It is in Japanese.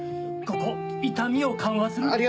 ここ痛みを緩和する。